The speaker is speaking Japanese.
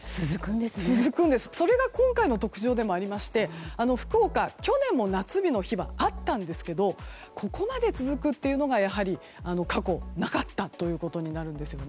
続くのが今回の特徴でもありまして福岡、去年も夏日の日はあったんですけどここまで続くというのが過去なかったということになるんですね。